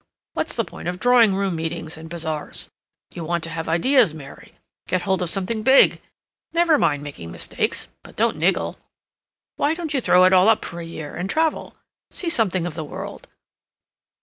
What's the point of drawing room meetings and bazaars? You want to have ideas, Mary; get hold of something big; never mind making mistakes, but don't niggle. Why don't you throw it all up for a year, and travel?—see something of the world.